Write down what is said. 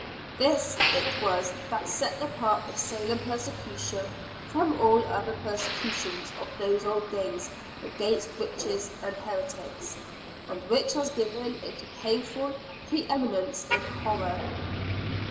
This it was that set apart the Salem persecution from all other persecutions of those old days against witches and heretics; and which has given it a painful pre eminence in horror.